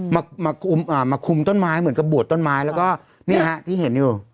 มามาคุมอ่ามาคุมต้นไม้เหมือนกับบวชต้นไม้แล้วก็เนี่ยฮะที่เห็นอยู่